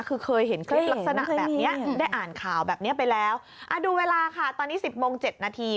คือเคยเห็นคลิปลักษณะแบบเนี้ยได้อ่านข่าวแบบนี้ไปแล้วอ่าดูเวลาค่ะตอนนี้สิบโมงเจ็ดนาที